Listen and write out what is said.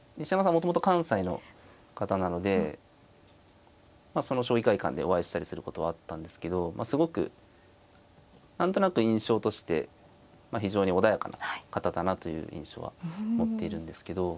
もともと関西の方なので将棋会館でお会いしたりすることはあったんですけどすごく何となく印象として非常に穏やかな方だなという印象は持っているんですけど。